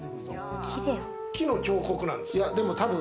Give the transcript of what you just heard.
木の彫刻なんです。